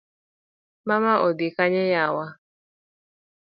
Mama odhi Kanye yawa?